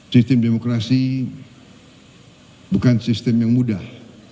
sistem demokrasi bukan sistem yang mudah